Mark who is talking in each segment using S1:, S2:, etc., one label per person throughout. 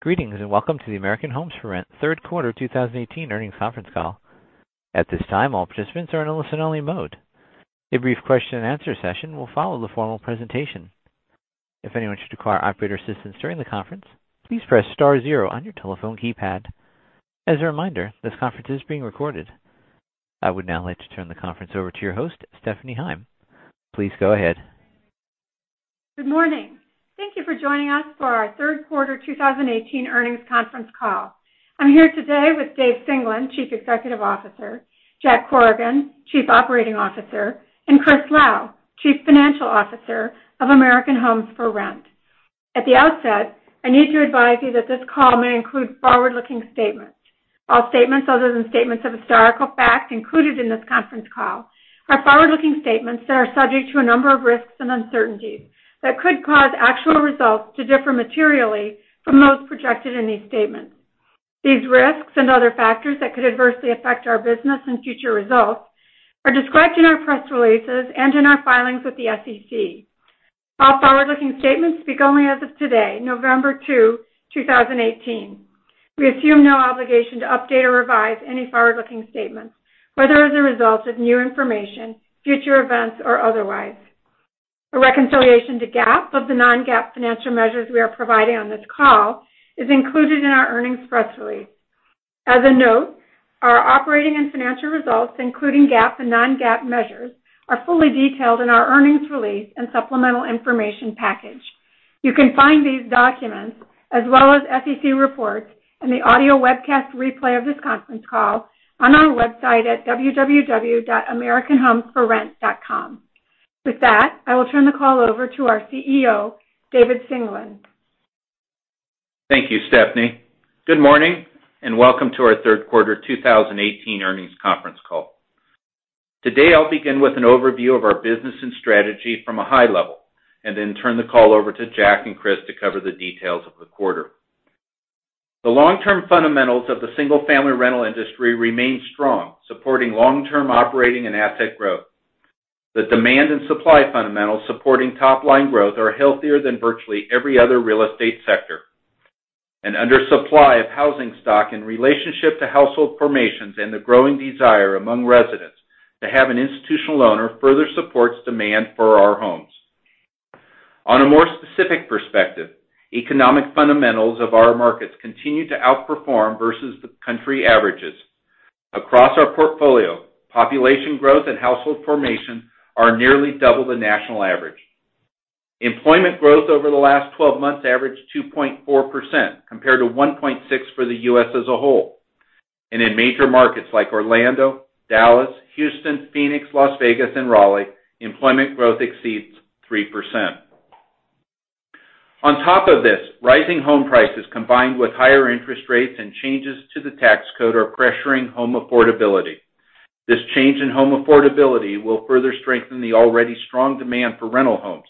S1: Greetings, and welcome to the American Homes 4 Rent third quarter 2018 earnings conference call. At this time, all participants are in a listen-only mode. A brief question-and-answer session will follow the formal presentation. If anyone should require operator assistance during the conference, please press star zero on your telephone keypad. As a reminder, this conference is being recorded. I would now like to turn the conference over to your host, Stephanie Heim. Please go ahead.
S2: Good morning. Thank you for joining us for our third quarter 2018 earnings conference call. I'm here today with Dave Singelyn, Chief Executive Officer, Jack Corrigan, Chief Operating Officer, and Christopher Lau, Chief Financial Officer of American Homes 4 Rent. At the outset, I need to advise you that this call may include forward-looking statements. All statements other than statements of historical fact included in this conference call are forward-looking statements that are subject to a number of risks and uncertainties that could cause actual results to differ materially from those projected in these statements. These risks and other factors that could adversely affect our business and future results are described in our press releases and in our filings with the SEC. All forward-looking statements speak only as of today, November two, 2018. We assume no obligation to update or revise any forward-looking statements, whether as a result of new information, future events, or otherwise. A reconciliation to GAAP of the non-GAAP financial measures we are providing on this call is included in our earnings press release. As a note, our operating and financial results, including GAAP and non-GAAP measures, are fully detailed in our earnings release and supplemental information package. You can find these documents as well as SEC reports and the audio webcast replay of this conference call on our website at www.americanhomes4rent.com. With that, I will turn the call over to our CEO, David Singelyn.
S3: Thank you, Stephanie. Good morning and welcome to our third quarter 2018 earnings conference call. Today, I'll begin with an overview of our business and strategy from a high level and then turn the call over to Jack and Chris to cover the details of the quarter. The long-term fundamentals of the single-family rental industry remain strong, supporting long-term operating and asset growth. The demand and supply fundamentals supporting top-line growth are healthier than virtually every other real estate sector. An undersupply of housing stock in relationship to household formations and the growing desire among residents to have an institutional owner further supports demand for our homes. On a more specific perspective, economic fundamentals of our markets continue to outperform versus the country averages. Across our portfolio, population growth and household formation are nearly double the national average. Employment growth over the last 12 months averaged 2.4%, compared to 1.6% for the U.S. as a whole. In major markets like Orlando, Dallas, Houston, Phoenix, Las Vegas, and Raleigh, employment growth exceeds 3%. On top of this, rising home prices combined with higher interest rates and changes to the tax code are pressuring home affordability. This change in home affordability will further strengthen the already strong demand for rental homes.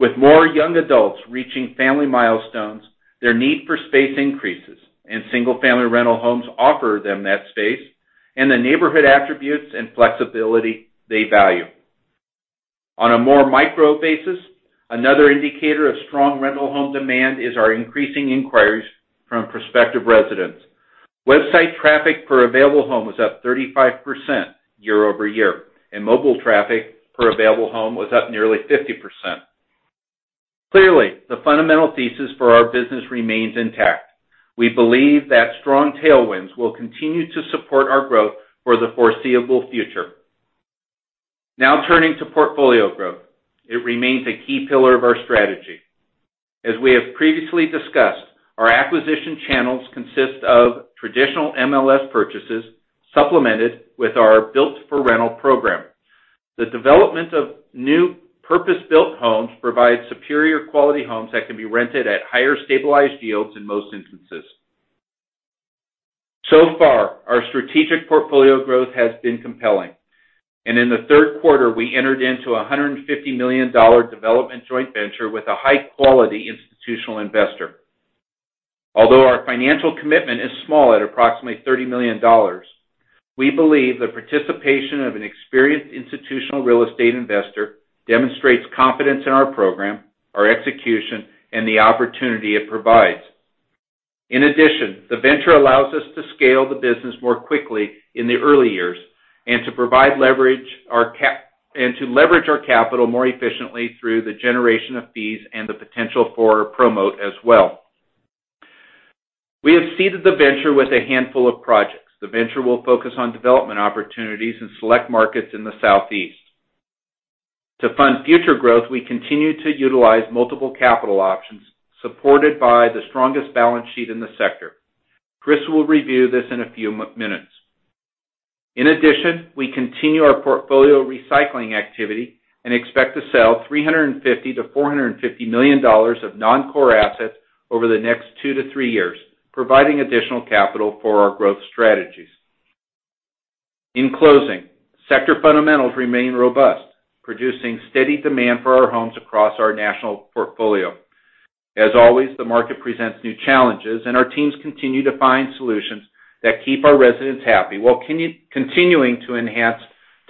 S3: With more young adults reaching family milestones, their need for space increases, and single-family rental homes offer them that space and the neighborhood attributes and flexibility they value. On a more micro basis, another indicator of strong rental home demand is our increasing inquiries from prospective residents. Website traffic per available home was up 35% year-over-year, and mobile traffic per available home was up nearly 50%. Clearly, the fundamental thesis for our business remains intact. We believe that strong tailwinds will continue to support our growth for the foreseeable future. Now turning to portfolio growth. It remains a key pillar of our strategy. As we have previously discussed, our acquisition channels consist of traditional MLS purchases supplemented with our Built-for-Rental program. The development of new purpose-built homes provides superior quality homes that can be rented at higher stabilized yields in most instances. So far, our strategic portfolio growth has been compelling. In the third quarter, we entered into a $150 million development joint venture with a high-quality institutional investor. Although our financial commitment is small at approximately $30 million, we believe the participation of an experienced institutional real estate investor demonstrates confidence in our program, our execution, and the opportunity it provides. In addition, the venture allows us to scale the business more quickly in the early years and to leverage our capital more efficiently through the generation of fees and the potential for promote as well. We have seeded the venture with a handful of projects. The venture will focus on development opportunities in select markets in the Southeast. To fund future growth, we continue to utilize multiple capital options supported by the strongest balance sheet in the sector. Chris will review this in a few minutes. In addition, we continue our portfolio recycling activity and expect to sell $350 million-$450 million of non-core assets over the next two to three years, providing additional capital for our growth strategies. In closing, sector fundamentals remain robust, producing steady demand for our homes across our national portfolio. As always, the market presents new challenges, and our teams continue to find solutions that keep our residents happy while continuing to enhance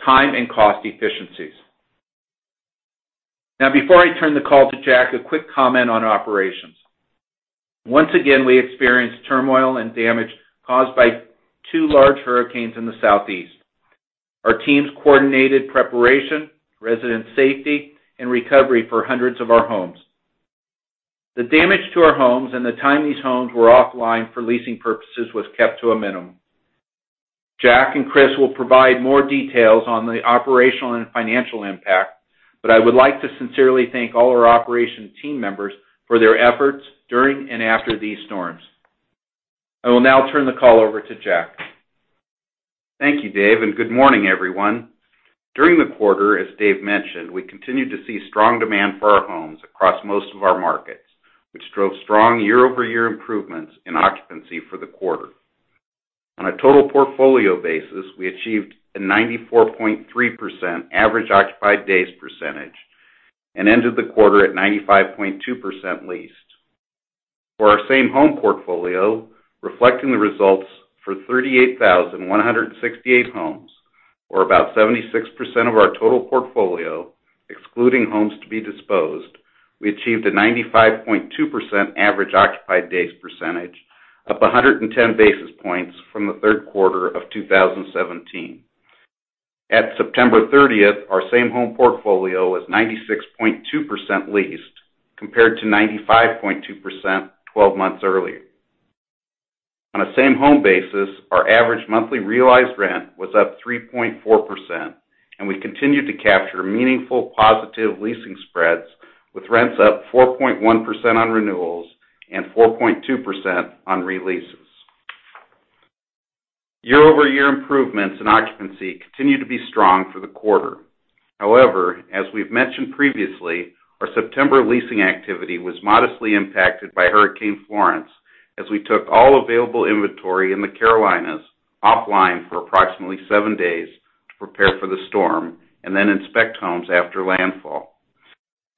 S3: time and cost efficiencies. Now, before I turn the call to Jack, a quick comment on operations. Once again, we experienced turmoil and damage caused by two large hurricanes in the Southeast. Our teams coordinated preparation, resident safety, and recovery for hundreds of our homes. The damage to our homes and the time these homes were offline for leasing purposes was kept to a minimum. Jack and Chris will provide more details on the operational and financial impact, but I would like to sincerely thank all our operations team members for their efforts during and after these storms. I will now turn the call over to Jack.
S4: Thank you, Dave, good morning, everyone. During the quarter, as Dave mentioned, we continued to see strong demand for our homes across most of our markets, which drove strong year-over-year improvements in occupancy for the quarter. On a total portfolio basis, we achieved a 94.3% average occupied days % and ended the quarter at 95.2% leased. For our Same-Home portfolio, reflecting the results for 38,168 homes or about 76% of our total portfolio, excluding homes to be disposed, we achieved a 95.2% average occupied days %, up 110 basis points from the third quarter of 2017. At September 30th, our Same-Home portfolio was 96.2% leased, compared to 95.2% 12 months earlier. On a Same-Home basis, our average monthly realized rent was up 3.4%. We continued to capture meaningful positive leasing spreads with rents up 4.1% on renewals and 4.2% on re-leases. Year-over-year improvements in occupancy continued to be strong for the quarter. However, as we've mentioned previously, our September leasing activity was modestly impacted by Hurricane Florence as we took all available inventory in the Carolinas offline for approximately 7 days to prepare for the storm and then inspect homes after landfall.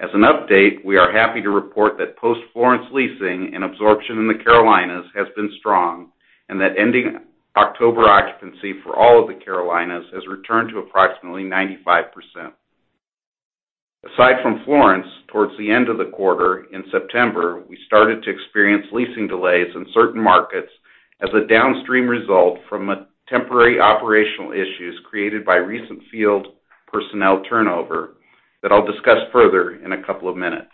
S4: As an update, we are happy to report that post-Florence leasing and absorption in the Carolinas has been strong and that ending October occupancy for all of the Carolinas has returned to approximately 95%. Aside from Florence, towards the end of the quarter, in September, we started to experience leasing delays in certain markets as a downstream result from temporary operational issues created by recent field personnel turnover that I'll discuss further in a couple of minutes.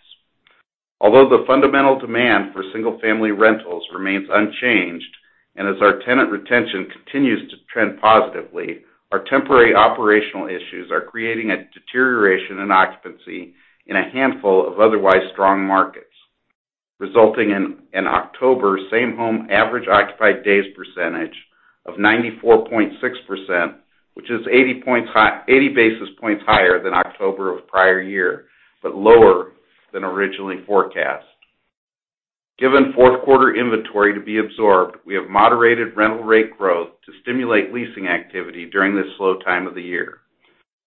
S4: Although the fundamental demand for single-family rentals remains unchanged. As our tenant retention continues to trend positively, our temporary operational issues are creating a deterioration in occupancy in a handful of otherwise strong markets, resulting in an October Same-Home average occupied days % of 94.6%, which is 80 basis points higher than October of the prior year, but lower than originally forecast. Given fourth quarter inventory to be absorbed, we have moderated rental rate growth to stimulate leasing activity during this slow time of the year.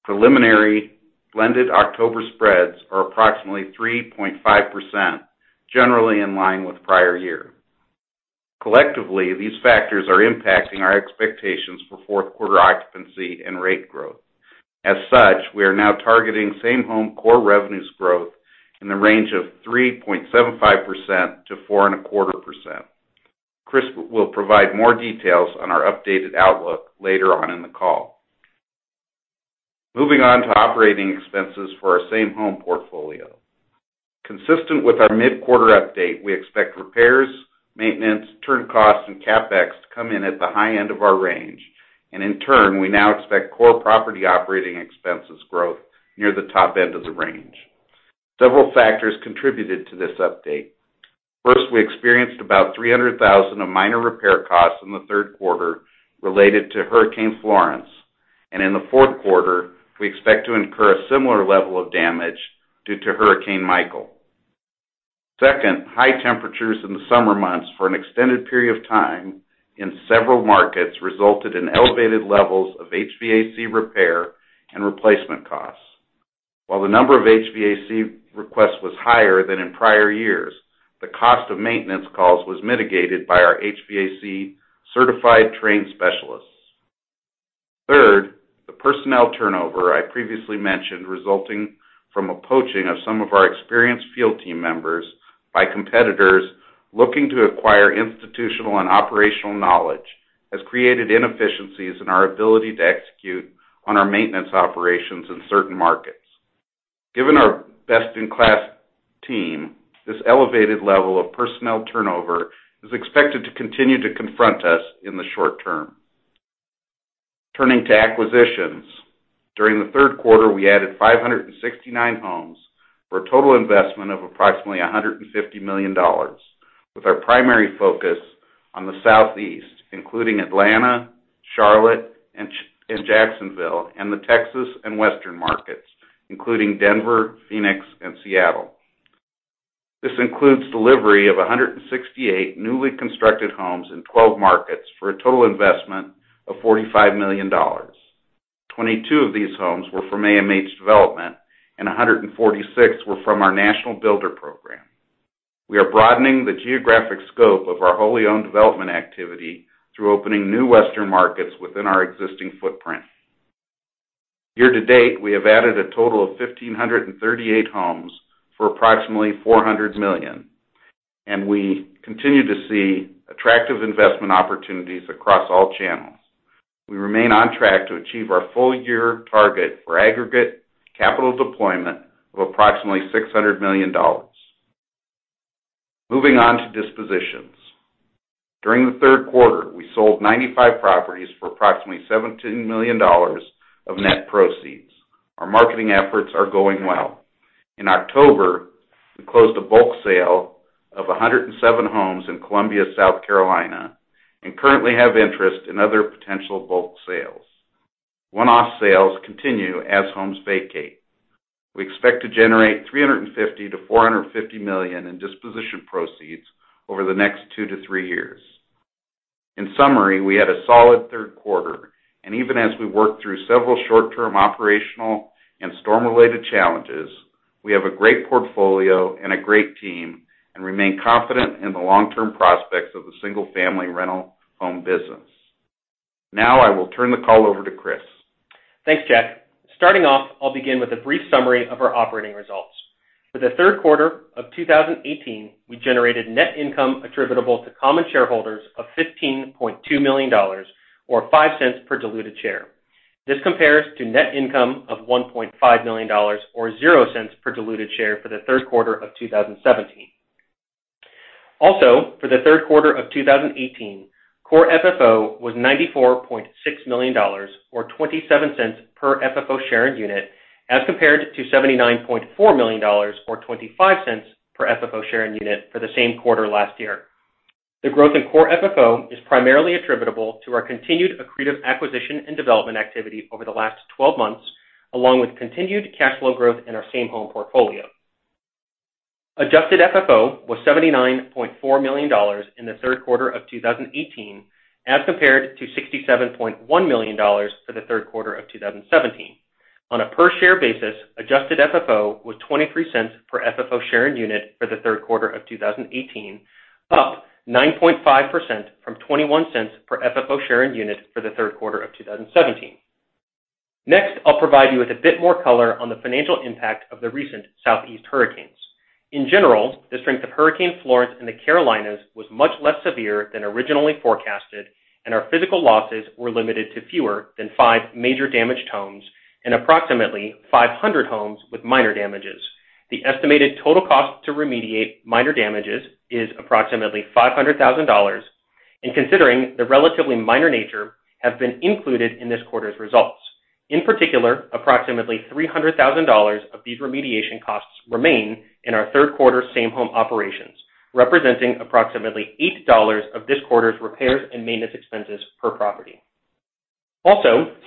S4: Preliminary blended October spreads are approximately 3.5%, generally in line with the prior year. Collectively, these factors are impacting our expectations for fourth-quarter occupancy and rate growth. As such, we are now targeting Same-Home Core revenues growth in the range of 3.75%-4.25%. Chris will provide more details on our updated outlook later on in the call. Moving on to operating expenses for our Same-Home portfolio. Consistent with our mid-quarter update, we expect repairs, maintenance, turn costs, and CapEx to come in at the high end of our range. In turn, we now expect Core property operating expenses growth near the top end of the range. Several factors contributed to this update. First, we experienced about $300,000 of minor repair costs in the third quarter related to Hurricane Florence. In the fourth quarter, we expect to incur a similar level of damage due to Hurricane Michael. Second, high temperatures in the summer months for an extended period of time in several markets resulted in elevated levels of HVAC repair and replacement costs. While the number of HVAC requests was higher than in prior years, the cost of maintenance calls was mitigated by our HVAC certified trained specialists. Third, the personnel turnover I previously mentioned resulting from a poaching of some of our experienced field team members by competitors looking to acquire institutional and operational knowledge has created inefficiencies in our ability to execute on our maintenance operations in certain markets. Given our best-in-class team, this elevated level of personnel turnover is expected to continue to confront us in the short term. Turning to acquisitions, during the third quarter, we added 569 homes for a total investment of approximately $150 million with our primary focus on the Southeast, including Atlanta, Charlotte, and Jacksonville, and the Texas and Western markets, including Denver, Phoenix, and Seattle. This includes delivery of 168 newly constructed homes in 12 markets for a total investment of $45 million. 22 of these homes were from AMH Development, and 146 were from our national builder partners. We are broadening the geographic scope of our wholly owned development activity through opening new western markets within our existing footprint. Year to date, we have added a total of 1,538 homes for approximately $400 million, and we continue to see attractive investment opportunities across all channels. We remain on track to achieve our full year target for aggregate capital deployment of approximately $600 million. Moving on to dispositions. During the third quarter, we sold 95 properties for approximately $17 million of net proceeds. Our marketing efforts are going well. In October, we closed a bulk sale of 107 homes in Columbia, South Carolina, and currently have interest in other potential bulk sales. One-off sales continue as homes vacate. We expect to generate $350 million-$450 million in disposition proceeds over the next two to three years. In summary, we had a solid third quarter, and even as we work through several short-term operational and storm-related challenges, we have a great portfolio and a great team and remain confident in the long-term prospects of the single-family rental home business. Now I will turn the call over to Chris.
S5: Thanks, Jack. Starting off, I'll begin with a brief summary of our operating results. For the third quarter of 2018, we generated net income attributable to common shareholders of $15.2 million, or $0.05 per diluted share. This compares to net income of $1.5 million, or $0.00 per diluted share for the third quarter of 2017. Also, for the third quarter of 2018, Core FFO was $94.6 million, or $0.27 per FFO share unit, as compared to $79.4 million, or $0.25 per FFO share unit for the same quarter last year. The growth in Core FFO is primarily attributable to our continued accretive acquisition and development activity over the last 12 months, along with continued cash flow growth in our Same-Home portfolio. Adjusted FFO was $79.4 million in the third quarter of 2018 as compared to $67.1 million for the third quarter of 2017. On a per-share basis, Adjusted FFO was $0.23 per FFO share unit for the third quarter of 2018, up 9.5% from $0.21 per FFO share unit for the third quarter of 2017. I'll provide you with a bit more color on the financial impact of the recent southeast hurricanes. In general, the strength of Hurricane Florence in the Carolinas was much less severe than originally forecasted, and our physical losses were limited to fewer than five major damaged homes and approximately 500 homes with minor damages. The estimated total cost to remediate minor damages is approximately $500,000, and considering the relatively minor nature, have been included in this quarter's results. In particular, approximately $300,000 of these remediation costs remain in our third quarter Same-Home operations, representing approximately $8 of this quarter's repairs and maintenance expenses per property.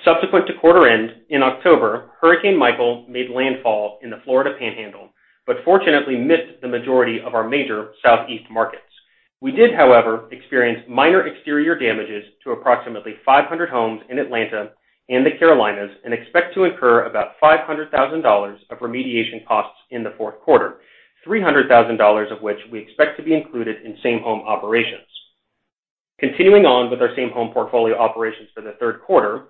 S5: Subsequent to quarter end in October, Hurricane Michael made landfall in the Florida Panhandle, but fortunately missed the majority of our major southeast markets. We did, however, experience minor exterior damages to approximately 500 homes in Atlanta and the Carolinas and expect to incur about $500,000 of remediation costs in the fourth quarter, $300,000 of which we expect to be included in Same-Home operations. Continuing on with our Same-Home portfolio operations for the third quarter,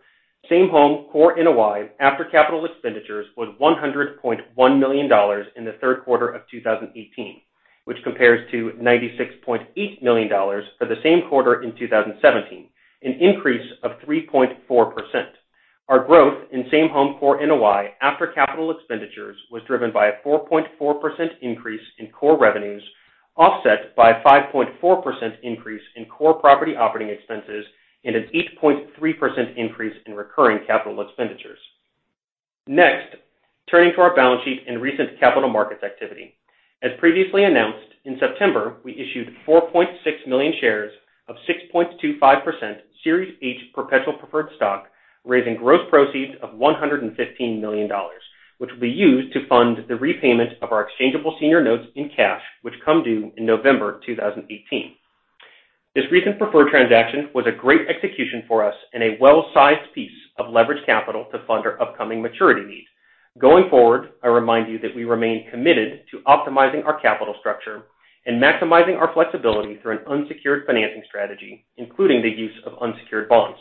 S5: Same-Home Core NOI after capital expenditures was $100.1 million in the third quarter of 2018, which compares to $96.8 million for the same quarter in 2017, an increase of 3.4%. Our growth in Same-Home Core NOI after capital expenditures was driven by a 4.4% increase in core revenues, offset by 5.4% increase in core property operating expenses and an 8.3% increase in recurring capital expenditures. Turning to our balance sheet and recent capital markets activity. As previously announced, in September, we issued 4.6 million shares of 6.25% Series H perpetual preferred stock, raising gross proceeds of $115 million, which will be used to fund the repayment of our exchangeable senior notes in cash, which come due in November 2018. This recent preferred transaction was a great execution for us and a well-sized piece of leverage capital to fund our upcoming maturity needs. Going forward, I remind you that we remain committed to optimizing our capital structure and maximizing our flexibility through an unsecured financing strategy, including the use of unsecured bonds.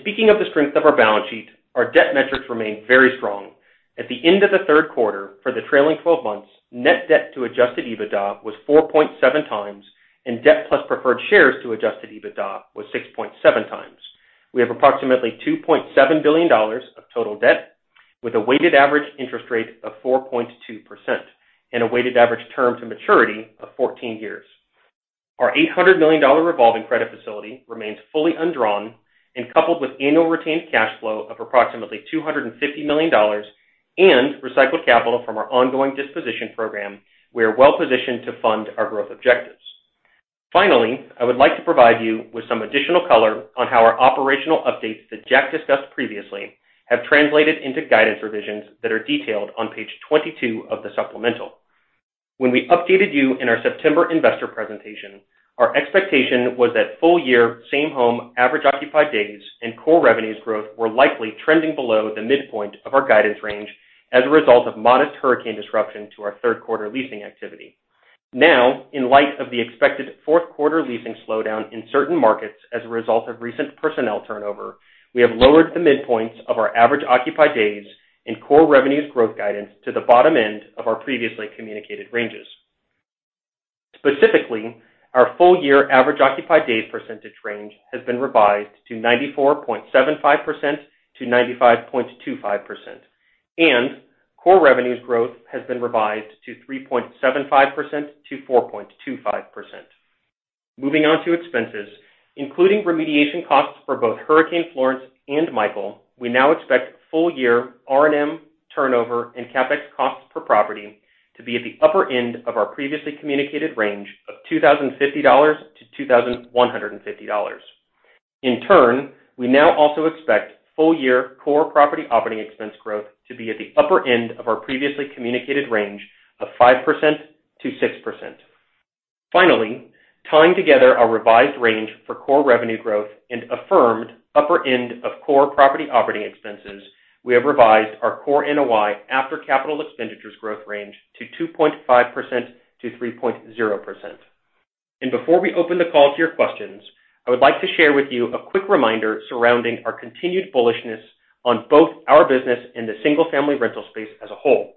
S5: Speaking of the strength of our balance sheet, our debt metrics remain very strong. At the end of the third quarter for the trailing 12 months, net debt to Adjusted EBITDA was 4.7 times, and debt plus preferred shares to Adjusted EBITDA was 6.7 times. We have approximately $2.7 billion of total debt with a weighted average interest rate of 4.2% and a weighted average term to maturity of 14 years. Our $800 million revolving credit facility remains fully undrawn and coupled with annual retained cash flow of approximately $250 million and recycled capital from our ongoing disposition program, we are well-positioned to fund our growth objectives. I would like to provide you with some additional color on how our operational updates that Jack discussed previously have translated into guidance revisions that are detailed on page 22 of the supplemental. When we updated you in our September investor presentation. Our expectation was that full-year Same-Home average occupied days and Core revenues growth were likely trending below the midpoint of our guidance range as a result of modest hurricane disruption to our third quarter leasing activity. In light of the expected fourth quarter leasing slowdown in certain markets as a result of recent personnel turnover, we have lowered the midpoints of our average occupied days and Core revenues growth guidance to the bottom end of our previously communicated ranges. Specifically, our full-year average occupied days percentage range has been revised to 94.75%-95.25%, and Core revenues growth has been revised to 3.75%-4.25%. Moving on to expenses, including remediation costs for both Hurricane Florence and Hurricane Michael, we now expect full-year R&M turnover and CapEx costs per property to be at the upper end of our previously communicated range of $2,050-$2,150. We now also expect full-year Core property operating expense growth to be at the upper end of our previously communicated range of 5%-6%. Tying together our revised range for Core revenue growth and affirmed upper end of Core property operating expenses, we have revised our Core NOI after Capital expenditures growth range to 2.5%-3.0%. Before we open the call to your questions, I would like to share with you a quick reminder surrounding our continued bullishness on both our business and the single-family rental space as a whole.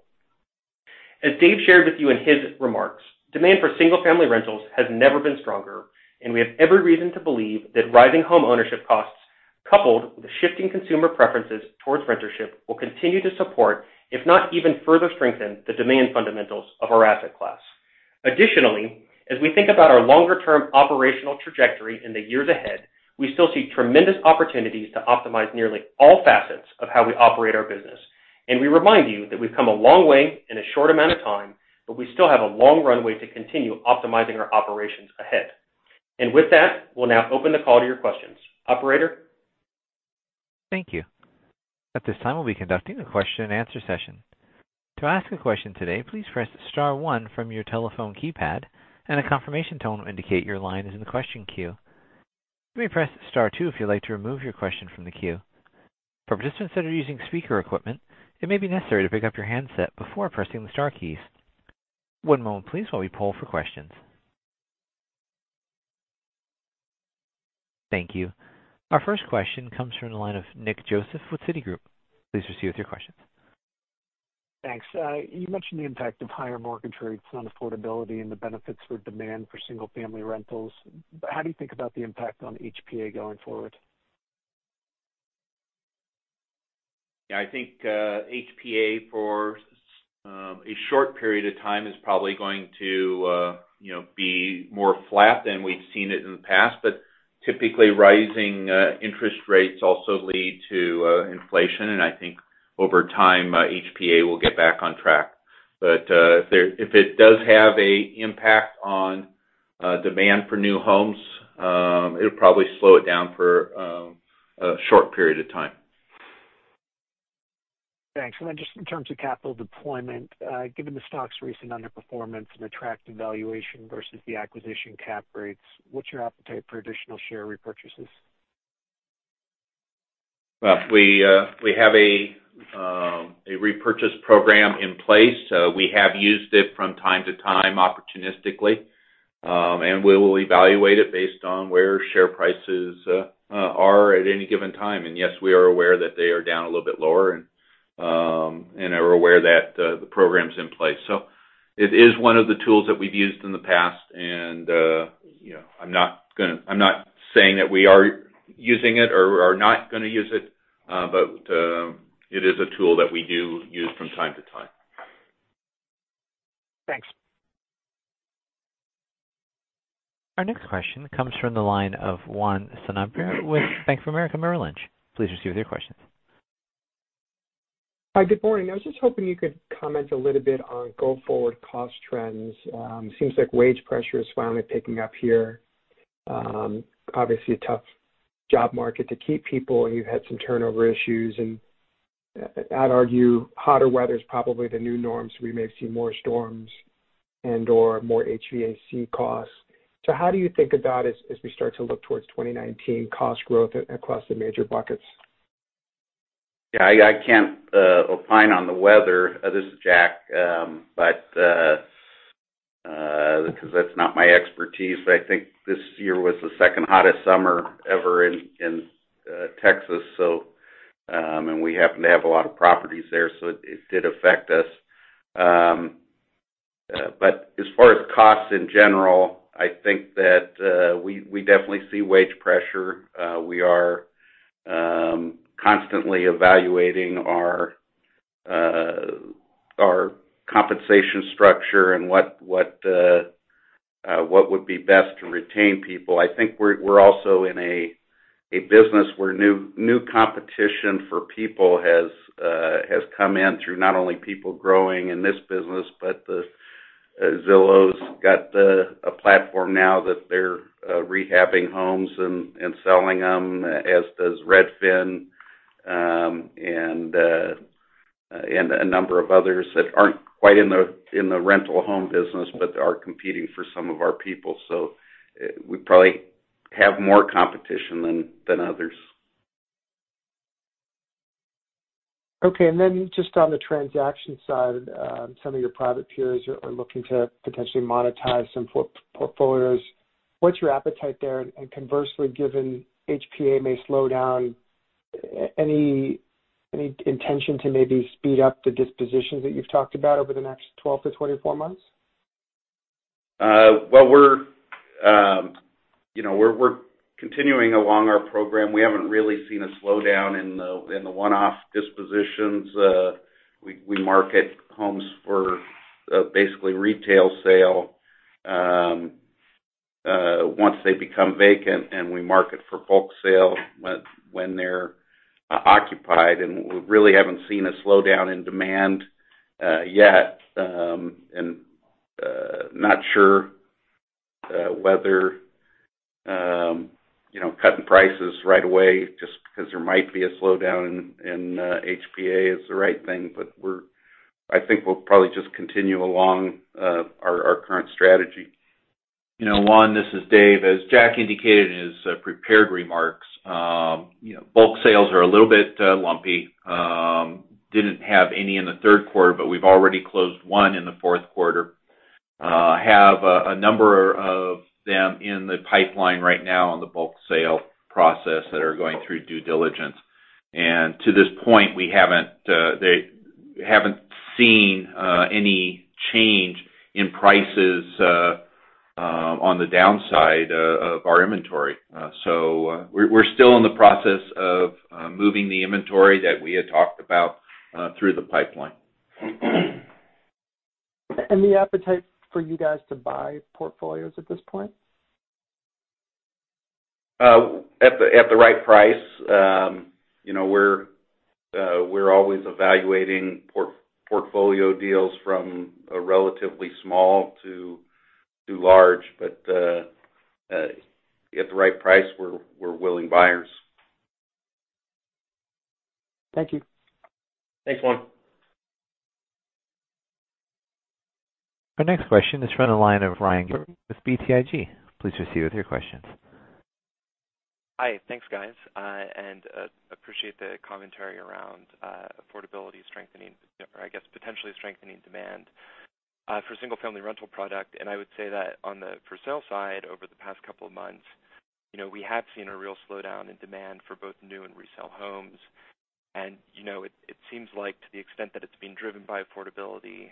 S5: As Dave shared with you in his remarks, demand for single-family rentals has never been stronger, and we have every reason to believe that rising homeownership costs, coupled with the shifting consumer preferences towards rentership, will continue to support, if not even further strengthen, the demand fundamentals of our asset class. As we think about our longer-term operational trajectory in the years ahead, we still see tremendous opportunities to optimize nearly all facets of how we operate our business. We remind you that we've come a long way in a short amount of time, but we still have a long runway to continue optimizing our operations ahead. With that, we'll now open the call to your questions. Operator?
S1: Thank you. At this time, we'll be conducting a question and answer session. To ask a question today, please press *1 from your telephone keypad, and a confirmation tone will indicate your line is in the question queue. You may press *2 if you'd like to remove your question from the queue. For participants that are using speaker equipment, it may be necessary to pick up your handset before pressing the star keys. One moment please while we poll for questions. Thank you. Our first question comes from the line of Nick Joseph with Citigroup. Please proceed with your questions.
S6: Thanks. You mentioned the impact of higher mortgage rates on affordability and the benefits for demand for single-family rentals. How do you think about the impact on HPA going forward?
S5: Yeah, I think HPA for a short period of time is probably going to be more flat than we have seen it in the past. Typically, rising interest rates also lead to inflation, and I think over time, HPA will get back on track. If it does have an impact on demand for new homes, it will probably slow it down for a short period of time.
S6: Thanks. Then just in terms of capital deployment, given the stock's recent underperformance and attractive valuation versus the acquisition cap rates, what is your appetite for additional share repurchases?
S5: Well, we have a repurchase program in place. We have used it from time to time opportunistically, we will evaluate it based on where share prices are at any given time. Yes, we are aware that they are down a little bit lower, and are aware that the program is in place. It is one of the tools that we have used in the past, and I am not saying that we are using it or are not going to use it. It is a tool that we do use from time to time.
S6: Thanks.
S1: Our next question comes from the line of Juan Sanabria with Bank of America Merrill Lynch. Please proceed with your questions.
S7: Hi. Good morning. I was just hoping you could comment a little bit on go-forward cost trends. It seems like wage pressure is finally picking up here. Obviously, a tough job market to keep people, and you've had some turnover issues, and I'd argue hotter weather is probably the new norm, so we may see more storms and/or more HVAC costs. How do you think about it as we start to look towards 2019 cost growth across the major buckets?
S4: Yeah. I can't opine on the weather. This is Jack. That's not my expertise. I think this year was the second hottest summer ever in Texas. We happen to have a lot of properties there, so it did affect us. As far as costs in general, I think that we definitely see wage pressure. We are constantly evaluating our compensation structure and what would be best to retain people. I think we're also in a business where new competition for people has come in through not only people growing in this business, but Zillow's got a platform now that they're rehabbing homes and selling them, as does Redfin. A number of others that aren't quite in the rental home business, but are competing for some of our people. We probably have more competition than others.
S7: Okay. Just on the transaction side, some of your private peers are looking to potentially monetize some portfolios. What is your appetite there? Conversely, given HPA may slow down, any intention to maybe speed up the dispositions that you have talked about over the next 12 to 24 months?
S4: Well, we are continuing along our program. We have not really seen a slowdown in the one-off dispositions. We market homes for basically retail sale, once they become vacant, and we market for bulk sale when they are occupied. We really have not seen a slowdown in demand yet. Not sure whether cutting prices right away just because there might be a slowdown in HPA is the right thing. I think we will probably just continue along our current strategy.
S3: Juan, this is Dave. As Jack indicated in his prepared remarks, bulk sales are a little bit lumpy. Did not have any in the third quarter, but we have already closed one in the fourth quarter. We have a number of them in the pipeline right now on the bulk sale process that are going through due diligence. To this point, we have not seen any change in prices on the downside of our inventory. We are still in the process of moving the inventory that we had talked about through the pipeline.
S7: The appetite for you guys to buy portfolios at this point?
S4: At the right price. We're always evaluating portfolio deals from relatively small to large. At the right price, we're willing buyers.
S7: Thank you.
S4: Thanks, Juan.
S1: Our next question is from the line of Ryan Gilbert with BTIG. Please proceed with your questions.
S8: Hi. Thanks, guys. Appreciate the commentary around affordability strengthening, or I guess potentially strengthening demand for single-family rental product. I would say that on the for sale side, over the past couple of months, we have seen a real slowdown in demand for both new and resale homes. It seems like to the extent that it's being driven by affordability,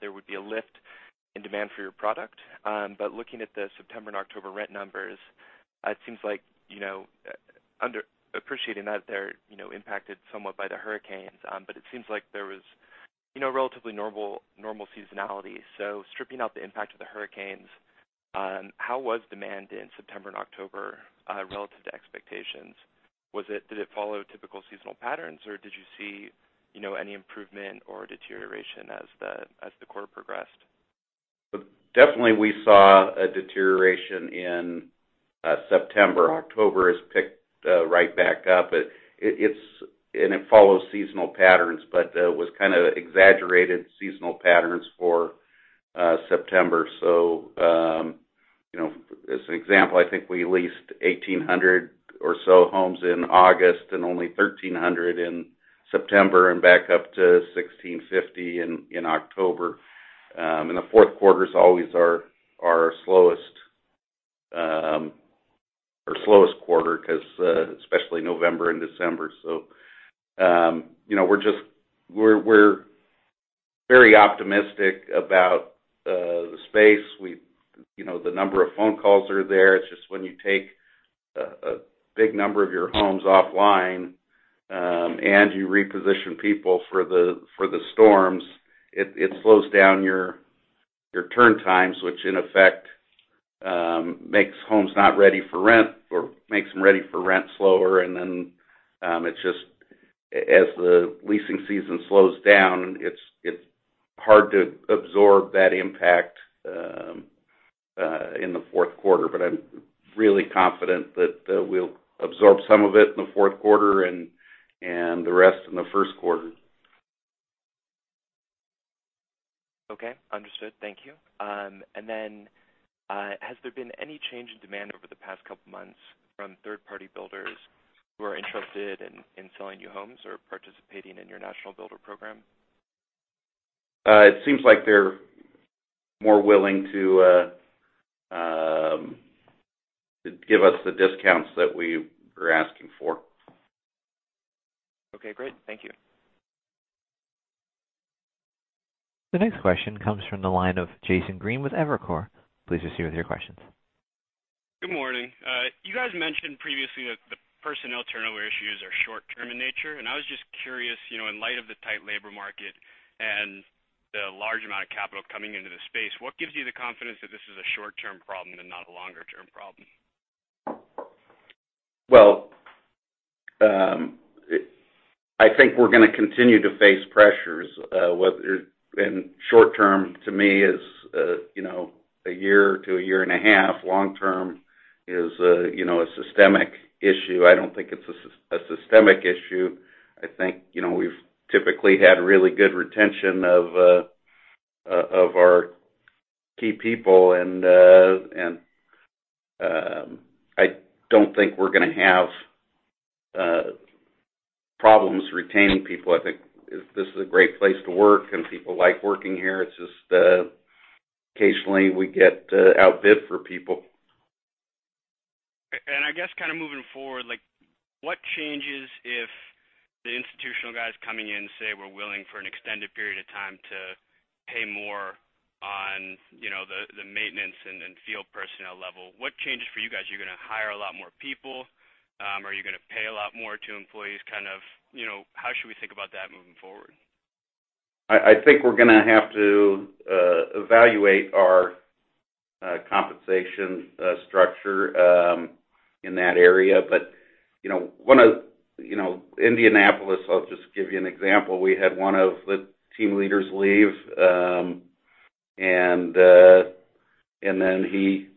S8: there would be a lift in demand for your product. Looking at the September and October rent numbers, it seems like, appreciating that they're impacted somewhat by the hurricanes, it seems like there was relatively normal seasonality. Stripping out the impact of the hurricanes, how was demand in September and October relative to expectations? Did it follow typical seasonal patterns, or did you see any improvement or deterioration as the quarter progressed?
S4: Definitely we saw a deterioration in September. October has picked right back up. It follows seasonal patterns, but it was kind of exaggerated seasonal patterns for September. As an example, I think we leased 1,800 or so homes in August and only 1,300 in September, back up to 1,650 in October. The fourth quarter is always our slowest quarter, especially November and December. We're very optimistic about the space. The number of phone calls are there. It's just when you take a big number of your homes offline, and you reposition people for the storms, it slows down your turn times, which in effect makes homes not ready for rent or makes them ready for rent slower. Then as the leasing season slows down, it's hard to absorb that impact in the fourth quarter. I'm really confident that we'll absorb some of it in the fourth quarter and the rest in the first quarter.
S8: Okay, understood. Thank you. Then, has there been any change in demand over the past couple of months from third-party builders who are interested in selling you homes or participating in your national builder program?
S4: It seems like they're more willing to give us the discounts that we are asking for.
S8: Okay, great. Thank you.
S1: The next question comes from the line of Jason Green with Evercore. Please proceed with your questions.
S9: Good morning. You guys mentioned previously that the personnel turnover issues are short-term in nature. I was just curious, in light of the tight labor market and the large amount of capital coming into the space, what gives you the confidence that this is a short-term problem and not a longer-term problem?
S4: I think we're going to continue to face pressures. Short term to me is a year to a year and a half. Long term is a systemic issue. I don't think it's a systemic issue. I think we've typically had really good retention of our key people, and I don't think we're going to have problems retaining people. I think this is a great place to work, and people like working here. It's just occasionally we get outbid for people.
S9: I guess kind of moving forward, what changes if the institutional guys coming in, say, were willing for an extended period of time to pay more on the maintenance and field personnel level? What changes for you guys? Are you going to hire a lot more people? Are you going to pay a lot more to employees? How should we think about that moving forward?
S4: I think we're going to have to evaluate our compensation structure in that area. Indianapolis, I'll just give you an example. We had one of the team leaders leave, and then he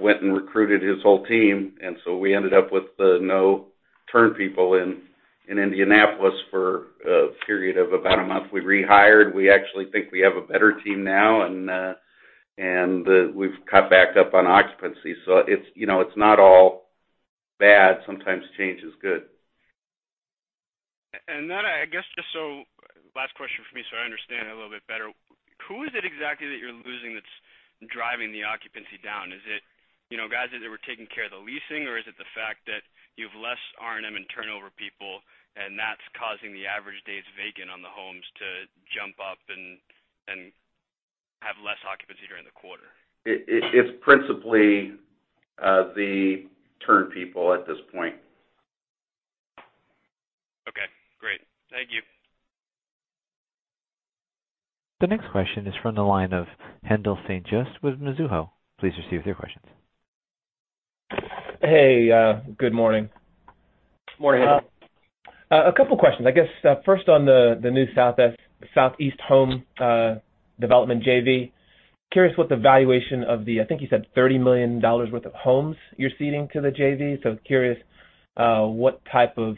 S4: went and recruited his whole team, and so we ended up with no turn people in Indianapolis for a period of about one month. We rehired. We actually think we have a better team now, and we've caught back up on occupancy. It's not all bad. Sometimes change is good.
S9: Last question from me so I understand a little bit better. Who is it exactly that you're losing that's driving the occupancy down? Is it guys that were taking care of the leasing, or is it the fact that you have less R&M and turnover people, and that's causing the average days vacant on the homes to jump up and have less occupancy during the quarter?
S4: It's principally the turn people at this point.
S9: Okay, great. Thank you.
S1: The next question is from the line of Haendel St. Juste with Mizuho. Please proceed with your questions.
S10: Hey, good morning.
S4: Morning.
S10: A couple questions. I guess, first on the new Southeast Home Development JV. Curious what the valuation of the, I think you said $30 million worth of homes you're seeding to the JV. Curious, what type of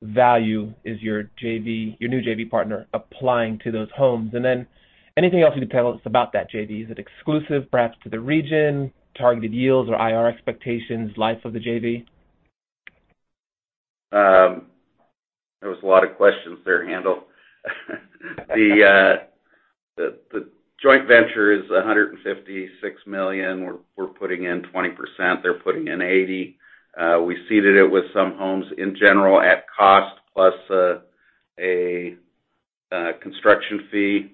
S10: value is your new JV partner applying to those homes? Anything else you can tell us about that JV? Is it exclusive, perhaps, to the region, targeted yields or IRR expectations, life of the JV?
S4: There was a lot of questions there, Haendel. The joint venture is $156 million. We're putting in 20%, they're putting in 80%. We seeded it with some homes in general at cost, plus a construction fee.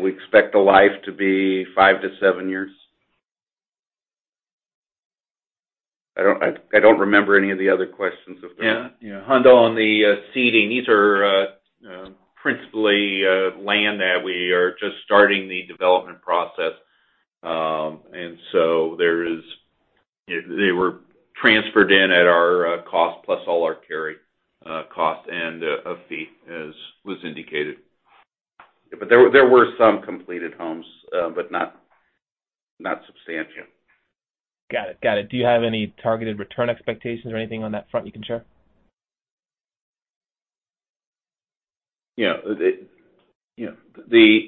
S4: We expect the life to be five to seven years. I don't remember any of the other questions.
S3: Yeah. Haendel, on the seeding, these are principally land that we are just starting the development process. They were transferred in at our cost plus all our carry cost and a fee as was indicated.
S4: There were some completed homes, but not substantial.
S10: Got it. Do you have any targeted return expectations or anything on that front you can share?
S4: Yeah. The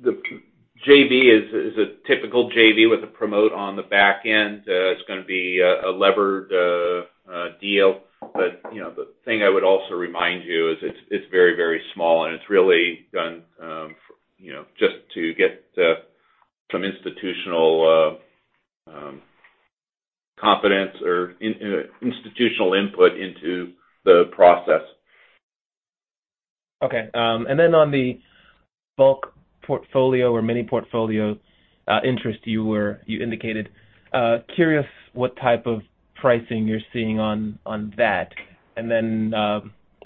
S4: JV is a typical JV with a promote on the back end. It's going to be a levered deal. The thing I would also remind you is it's very small, and it's really done just to get some institutional confidence or institutional input into the process.
S10: Okay. Then on the bulk portfolio or mini portfolio interest you indicated. Curious what type of pricing you're seeing on that. Then,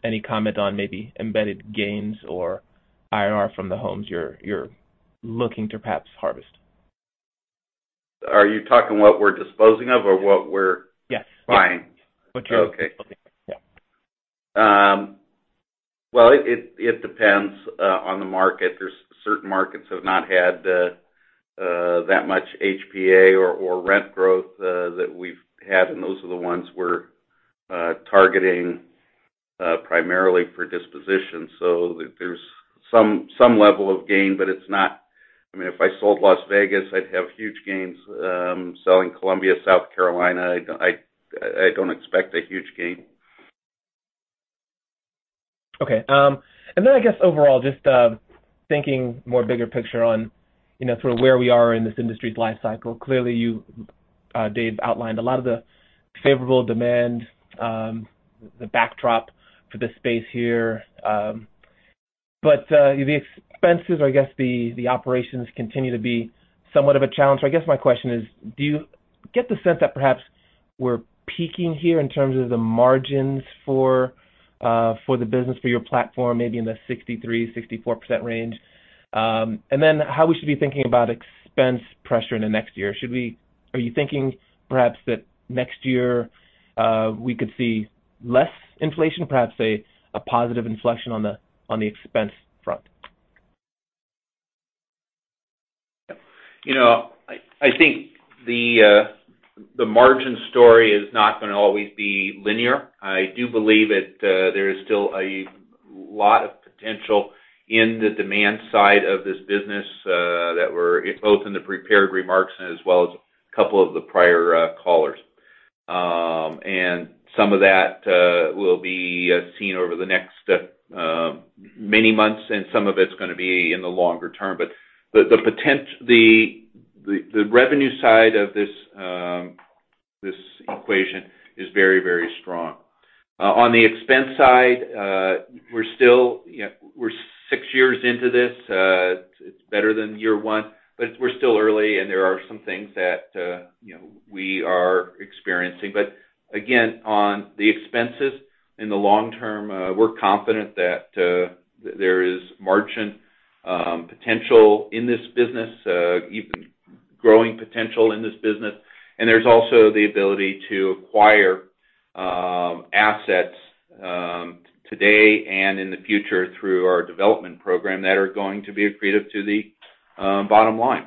S10: any comment on maybe embedded gains or IRR from the homes you're looking to perhaps harvest?
S4: Are you talking what we're disposing of or what we're?
S10: Yes
S4: buying?
S10: What you're disposing. Yeah.
S4: Well, it depends on the market. There's certain markets have not had that much HPA or rent growth that we've had, and those are the ones we're targeting primarily for disposition. There's some level of gain, but it's not I mean, if I sold Las Vegas, I'd have huge gains. Selling Columbia, South Carolina, I don't expect a huge gain.
S10: Okay. I guess overall, just thinking more bigger picture on sort of where we are in this industry's life cycle. Clearly, you, Dave, outlined a lot of the favorable demand, the backdrop for this space here. The expenses or the operations continue to be somewhat of a challenge. I guess my question is, do you get the sense that perhaps we're peaking here in terms of the margins for the business, for your platform, maybe in the 63%-64% range? How we should be thinking about expense pressure in the next year. Are you thinking perhaps that next year, we could see less inflation, perhaps, say, a positive inflection on the expense front?
S3: I think the margin story is not going to always be linear. I do believe that there is still a lot of potential in the demand side of this business, both in the prepared remarks as well as a couple of the prior callers. Some of that will be seen over the next many months, and some of it's going to be in the longer term. The revenue side of this equation is very strong. On the expense side, we're six years into this. It's better than year one, but we're still early, and there are some things that we are experiencing. Again, on the expenses, in the long term, we're confident that there is margin potential in this business, even growing potential in this business. There's also the ability to acquire assets today and in the future through our development program that are going to be accretive to the bottom line.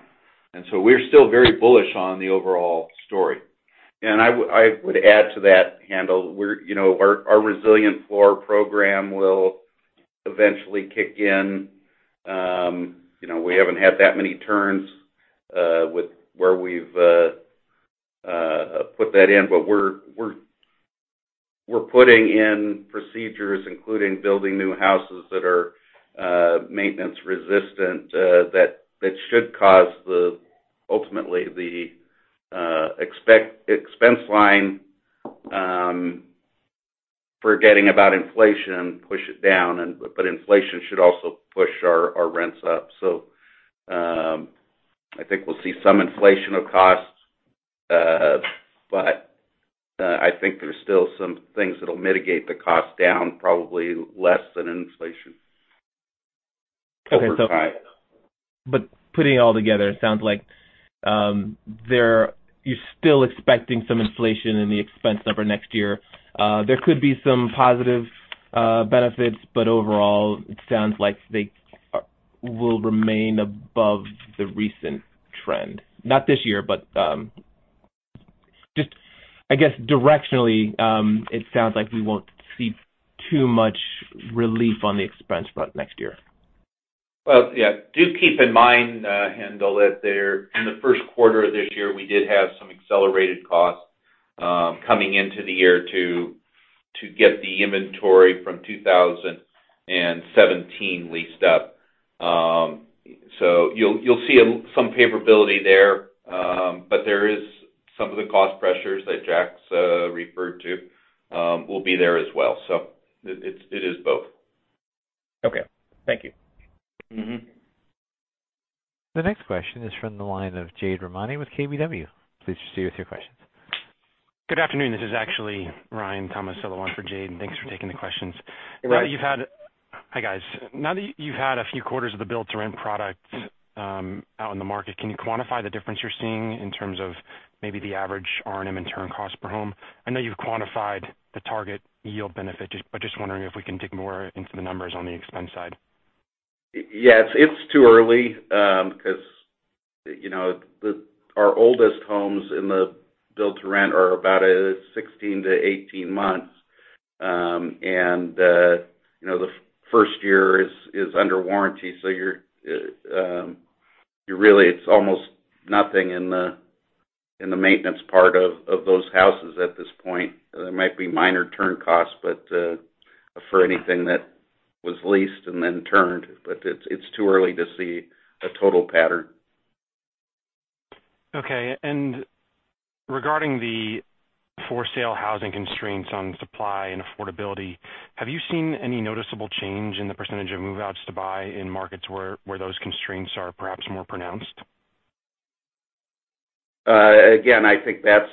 S3: We're still very bullish on the overall story. I would add to that, Haendel, our resilient floor program will eventually kick in. We haven't had that many turns where we've put that in. We're putting in procedures, including building new houses that are maintenance-resistant, that should cause, ultimately, the expense line, forgetting about inflation, push it down, but inflation should also push our rents up. I think we'll see some inflation of costs, but I think there's still some things that'll mitigate the cost down, probably less than inflation over time.
S10: Okay. Putting it all together, it sounds like you're still expecting some inflation in the expense number next year. There could be some positive benefits, but overall, it sounds like they will remain above the recent trend. Not this year, but just, I guess, directionally, it sounds like we won't see too much relief on the expense front next year.
S3: Well, yeah. Do keep in mind, Haendel, that in the first quarter of this year, we did have some accelerated costs coming into the year to get the inventory from 2017 leased up. You'll see some favorability there, but there is some of the cost pressures that Jack's referred to will be there as well. It is both.
S10: Okay. Thank you.
S1: The next question is from the line of Jade Rahmani with KBW. Please proceed with your questions.
S11: Good afternoon. This is actually Ryan Tomasello on for Jade, thanks for taking the questions.
S3: You bet.
S11: Hi, guys. Now that you've had a few quarters of the build-to-rent product out in the market, can you quantify the difference you're seeing in terms of maybe the average R&M and turn cost per home? I know you've quantified the target yield benefit, just wondering if we can dig more into the numbers on the expense side.
S4: Yes, it's too early, because our oldest homes in the build-to-rent are about 16-18 months. The first year is under warranty, really, it's almost nothing in the maintenance part of those houses at this point. There might be minor turn costs for anything that was leased and then turned, it's too early to see a total pattern.
S11: Okay. Regarding the for sale housing constraints on supply and affordability, have you seen any noticeable change in the % of move-outs to buy in markets where those constraints are perhaps more pronounced?
S4: Again, I think that's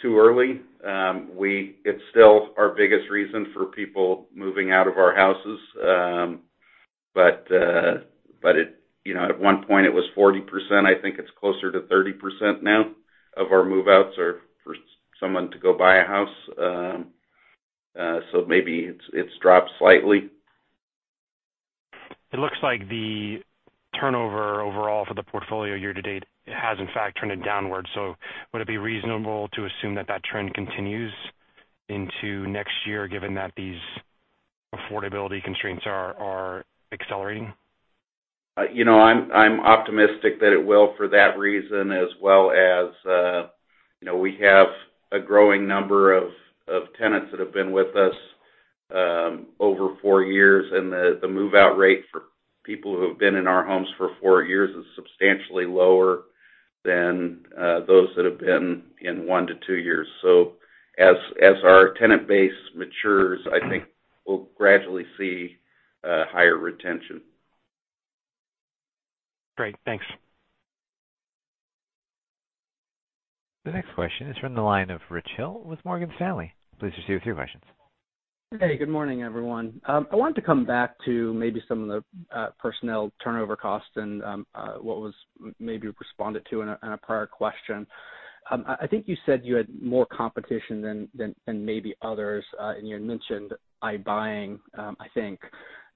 S4: too early. It's still our biggest reason for people moving out of our houses. At one point it was 40%. I think it's closer to 30% now of our move-outs are for someone to go buy a house. Maybe it's dropped slightly.
S11: It looks like the turnover overall for the portfolio year-to-date has in fact turned downward. Would it be reasonable to assume that trend continues into next year, given that these affordability constraints are accelerating?
S4: I'm optimistic that it will for that reason, as well as we have a growing number of tenants that have been with us over four years, and the move-out rate for people who have been in our homes for four years is substantially lower than those that have been in one to two years. As our tenant base matures, I think we'll gradually see higher retention.
S11: Great. Thanks.
S1: The next question is from the line of Richard Hill with Morgan Stanley. Please proceed with your questions.
S12: Hey, good morning, everyone. I wanted to come back to maybe some of the personnel turnover costs and what was maybe responded to in a prior question. I think you said you had more competition than maybe others, and you had mentioned iBuying, I think.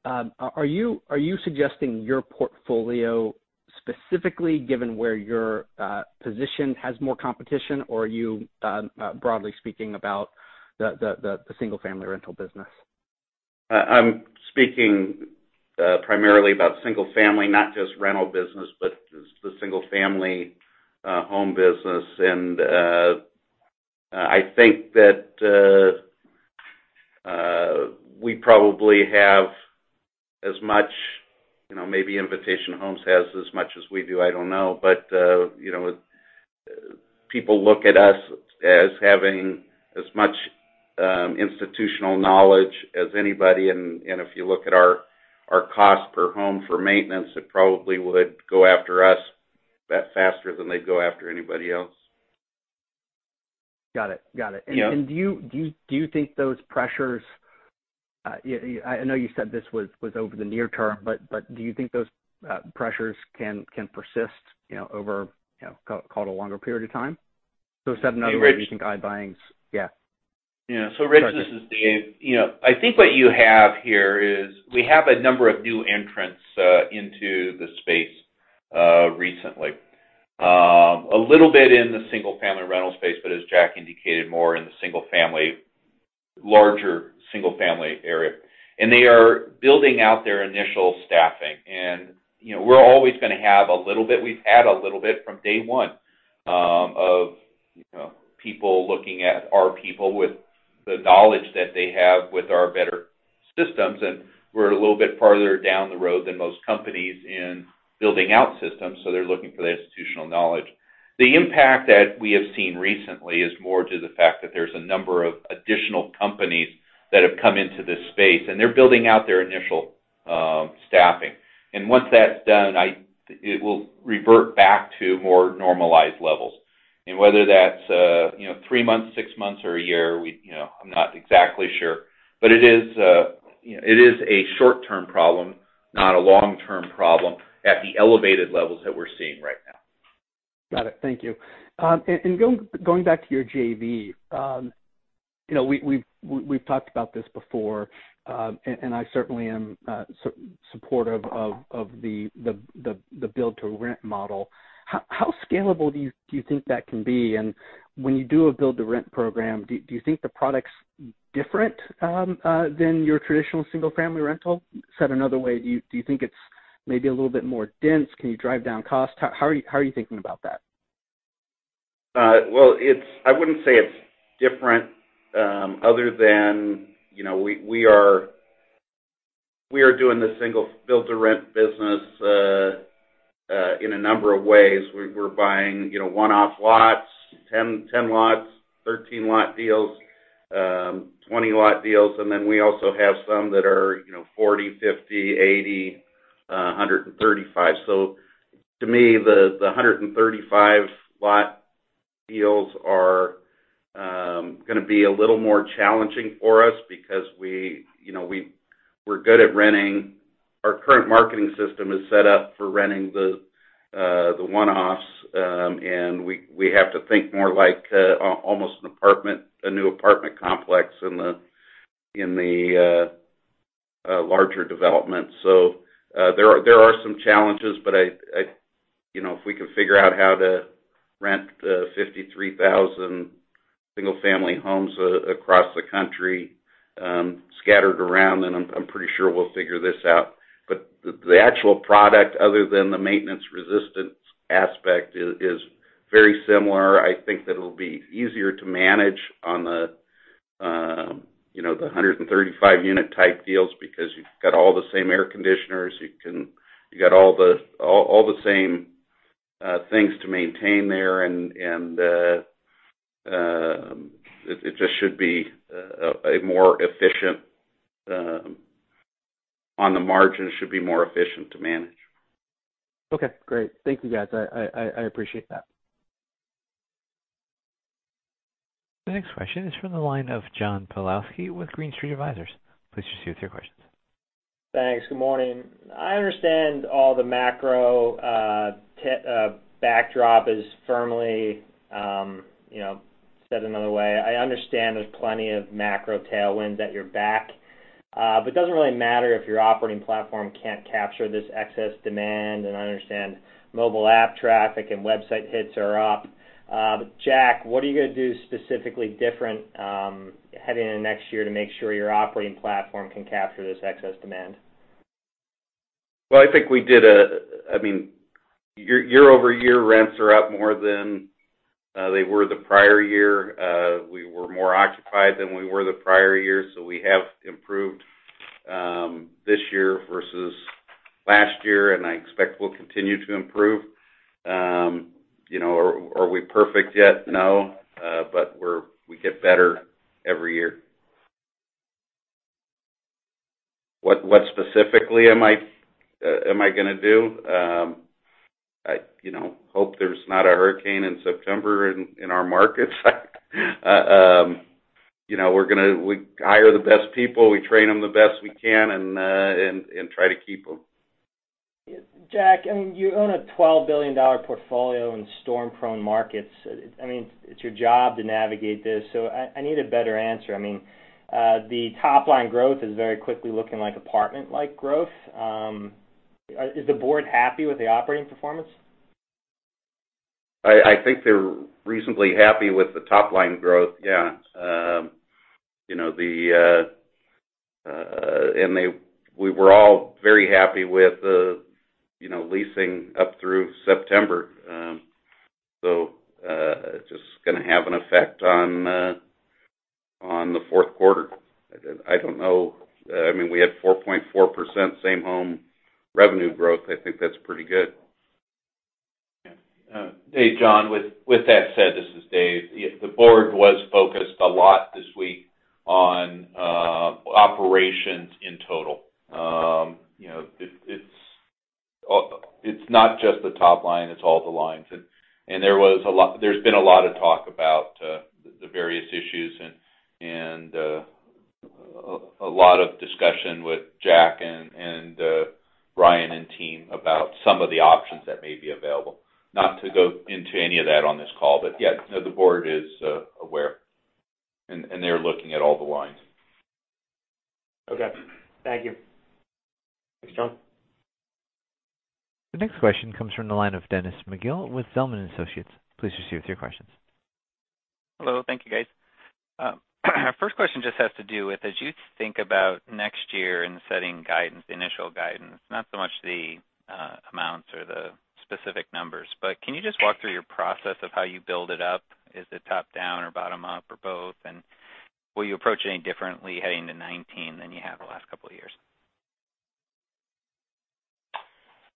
S12: Are you suggesting your portfolio specifically, given where your position has more competition, or are you broadly speaking about the single-family rental business?
S4: I'm speaking primarily about single-family, not just rental business, but just the single-family home business. I think that we probably have as much, maybe Invitation Homes has as much as we do, I don't know. People look at us as having as much institutional knowledge as anybody, and if you look at our cost per home for maintenance, it probably would go after us faster than they'd go after anybody else.
S12: Got it. Yeah.
S4: Do you think those pressures, I know you said this was over the near term, do you think those pressures can persist over a longer period of time? Said another way, do you think iBuying's Yeah.
S3: Yeah. Rich, this is Dave. I think what you have here is, we have a number of new entrants into the space recently. A little bit in the single-family rental space, as Jack indicated, more in the larger single-family area. They are building out their initial staffing. We're always going to have a little bit, we've had a little bit from day one, of people looking at our people with the knowledge that they have with our better systems, and we're a little bit farther down the road than most companies in building out systems, so they're looking for the institutional knowledge. The impact that we have seen recently is more to the fact that there's a number of additional companies that have come into this space, and they're building out their initial staffing. Once that's done, it will revert back to more normalized levels. Whether that's three months, six months, or a year, I'm not exactly sure. It is a short-term problem, not a long-term problem, at the elevated levels that we're seeing right now.
S12: Got it. Thank you. Going back to your JV. We've talked about this before, I certainly am supportive of the build-to-rent model. How scalable do you think that can be? When you do a build-to-rent program, do you think the product's different than your traditional single-family rental? Said another way, do you think it's maybe a little bit more dense? Can you drive down cost? How are you thinking about that?
S4: Well, I wouldn't say it's different other than we are doing the single build-to-rent business in a number of ways. We're buying one-off lots, 10 lot, 13 lot deals, 20 lot deals. We also have some that are 40, 50, 80, 135. To me, the 135-lot deals are going to be a little more challenging for us because we're good at renting. Our current marketing system is set up for renting the one-offs, we have to think more like almost a new apartment complex in the larger development. There are some challenges, if we can figure out how to rent the 53,000 single-family homes across the country, scattered around, I'm pretty sure we'll figure this out. The actual product, other than the maintenance resistance aspect, is very similar.
S3: I think that it'll be easier to manage on the 135-unit type deals because you've got all the same air conditioners. You've got all the same things to maintain there, it just should be more efficient, on the margin, should be more efficient to manage.
S12: Okay, great. Thank you, guys. I appreciate that.
S1: The next question is from the line of John Pawlowski with Green Street Advisors. Please proceed with your questions.
S13: Thanks. Good morning. I understand all the macro backdrop is, Said another way, I understand there's plenty of macro tailwinds at your back. It doesn't really matter if your operating platform can't capture this excess demand. I understand mobile app traffic and website hits are up. Jack, what are you going to do specifically different heading into next year to make sure your operating platform can capture this excess demand?
S4: Well, I think we did a year-over-year, rents are up more than they were the prior year. We were more occupied than we were the prior year, we have improved this year versus last year, I expect we'll continue to improve. Are we perfect yet? No. We get better every year. What specifically am I going to do? I hope there's not a hurricane in September in our markets. We hire the best people, we train them the best we can, and try to keep them
S13: Jack, you own a $12 billion portfolio in storm-prone markets. It's your job to navigate this. I need a better answer. The top-line growth is very quickly looking like apartment-like growth. Is the board happy with the operating performance?
S4: I think they're reasonably happy with the top-line growth, yeah. We were all very happy with the leasing up through September. It's just going to have an effect on the fourth quarter. I don't know. We had 4.4% Same-Home revenue growth. I think that's pretty good.
S3: Yeah. Hey, John. With that said, this is Dave. The board was focused a lot this week on operations in total. It's not just the top line, it's all the lines. There's been a lot of talk about the various issues and a lot of discussion with Jack and Bryan and team about some of the options that may be available. Not to go into any of that on this call, yes, the board is aware. They're looking at all the lines.
S13: Okay. Thank you.
S4: Thanks, John.
S1: The next question comes from the line of Dennis McGill with Zelman & Associates. Please proceed with your questions.
S14: Hello. Thank you, guys. First question just has to do with, as you think about next year and setting initial guidance, not so much the amounts or the specific numbers, but can you just walk through your process of how you build it up? Is it top-down or bottom-up or both? Will you approach it any differently heading to 2019 than you have the last couple of years?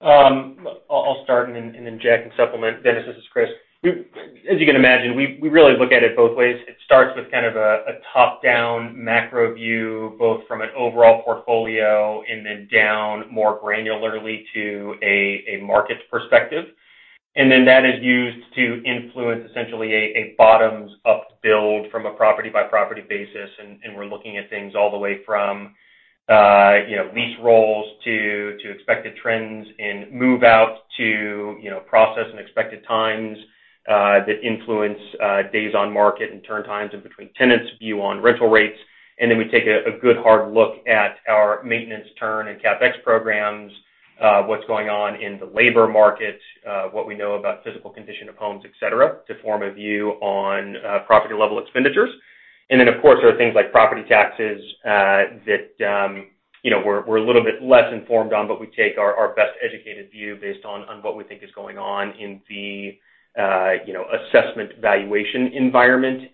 S5: I'll start. Then Jack can supplement. Dennis, this is Chris. As you can imagine, we really look at it both ways. It starts with kind of a top-down macro view, both from an overall portfolio and then down more granularly to a market perspective. Then that is used to influence essentially a bottoms-up build from a property-by-property basis. We're looking at things all the way from lease rolls to expected trends in move-out to process and expected times that influence days on market and turn times in between tenants, view on rental rates. Then we take a good hard look at our maintenance turn and CapEx programs, what's going on in the labor market, what we know about physical condition of homes, et cetera, to form a view on property-level expenditures. There are things like property taxes that we're a little bit less informed on, but we take our best educated view based on what we think is going on in the assessment valuation environment,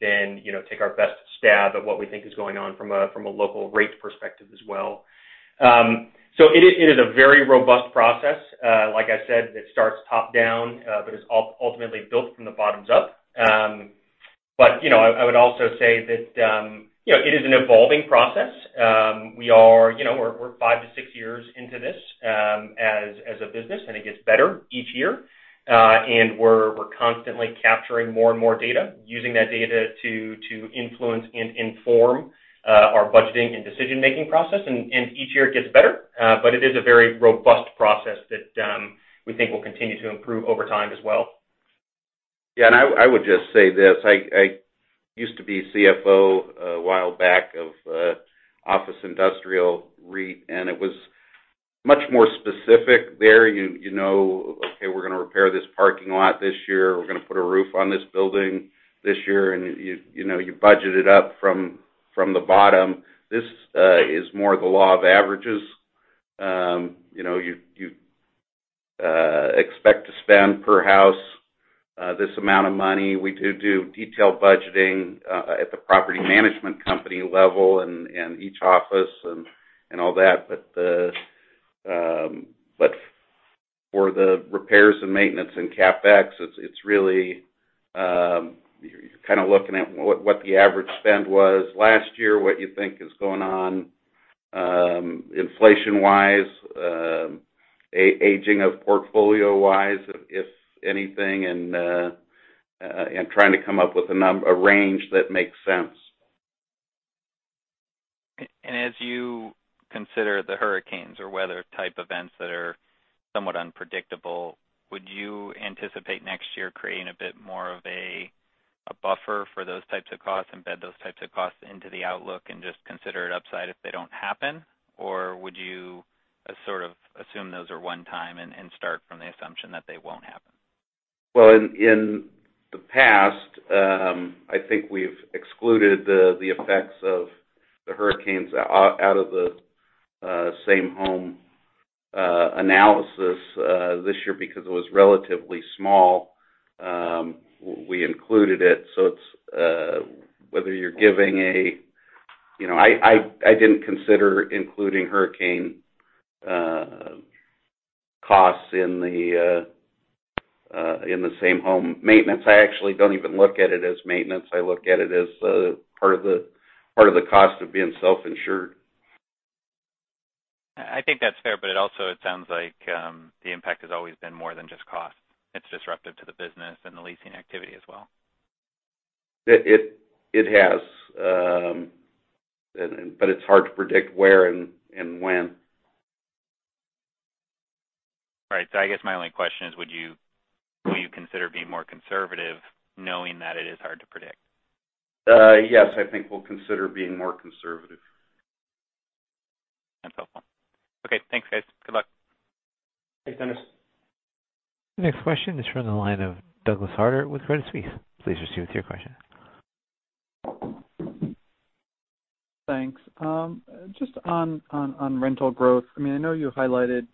S5: then take our best stab at what we think is going on from a local rate perspective as well. It is a very robust process. Like I said, it starts top-down but is ultimately built from the bottoms-up. I would also say that it is an evolving process. We're 5 to 6 years into this as a business, and it gets better each year. We're constantly capturing more and more data, using that data to influence and inform our budgeting and decision-making process. Each year it gets better. It is a very robust process that we think will continue to improve over time as well.
S4: I would just say this. I used to be CFO a while back of Office Industrial REIT, it was much more specific there. You know, okay, we're going to repair this parking lot this year. We're going to put a roof on this building this year. You budget it up from the bottom. This is more the law of averages. You expect to spend, per house, this amount of money. We do detailed budgeting at the property management company level and each office and all that. For the repairs and maintenance and CapEx, it's really kind of looking at what the average spend was last year, what you think is going on inflation-wise, aging of portfolio-wise, if anything, and trying to come up with a range that makes sense.
S14: As you consider the hurricanes or weather-type events that are somewhat unpredictable, would you anticipate next year creating a bit more of a buffer for those types of costs, embed those types of costs into the outlook, and just consider it upside if they don't happen? Or would you sort of assume those are one-time and start from the assumption that they won't happen?
S4: Well, in the past, I think we've excluded the effects of the hurricanes out of the Same-Home analysis. This year, because it was relatively small, we included it. I didn't consider including hurricane costs in the Same-Home maintenance. I actually don't even look at it as maintenance. I look at it as part of the cost of being self-insured.
S14: I think that's fair. It also sounds like the impact has always been more than just cost. It's disruptive to the business and the leasing activity as well.
S4: It has. It's hard to predict where and when.
S14: Right. I guess my only question is, would you consider being more conservative knowing that it is hard to predict?
S4: Yes, I think we'll consider being more conservative.
S14: That's helpful. Okay, thanks, guys. Good luck.
S5: Thanks, Dennis.
S1: The next question is from the line of Douglas Harter with Credit Suisse. Please proceed with your question.
S15: Thanks. Just on rental growth. I know you highlighted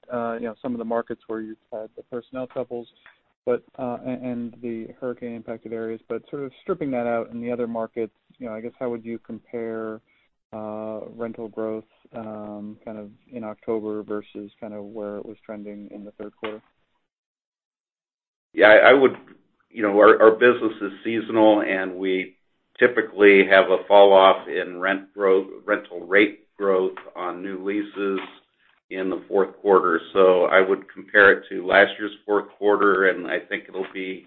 S15: some of the markets where you've had the personnel troubles and the hurricane-impacted areas, sort of stripping that out in the other markets, I guess how would you compare rental growth kind of in October versus kind of where it was trending in the third quarter?
S4: Yeah, our business is seasonal. We typically have a fall-off in rental rate growth on new leases in the fourth quarter. I would compare it to last year's fourth quarter, and I think it'll be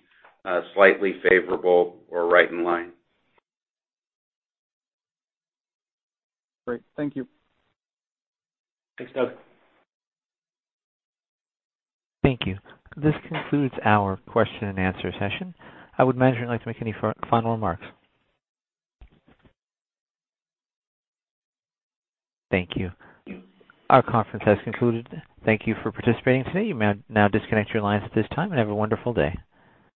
S4: slightly favorable or right in line.
S15: Great. Thank you.
S5: Thanks, Doug.
S1: Thank you. This concludes our question and answer session. I would imagine you'd like to make any final remarks. Thank you. Our conference has concluded. Thank you for participating today. You may now disconnect your lines at this time. Have a wonderful day.